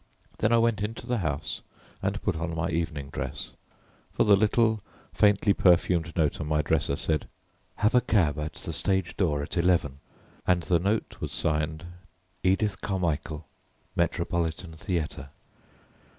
Then I went into the house and put on my evening dress, for the little faintly perfumed note on my dresser said, "Have a cab at the stage door at eleven," and the note was signed "Edith Carmichel, Metropolitan Theatre."